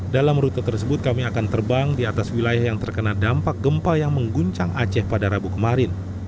dalam rute tersebut kami akan terbang di atas wilayah yang terkena dampak gempa yang mengguncang aceh pada rabu kemarin